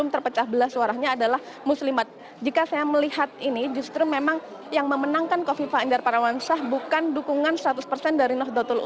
terima kasih terima kasih